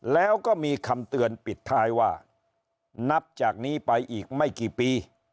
แล้วก็มีคำเตือนปิดท้ายว่านับจากนี้ไปอีกไม่กี่ปี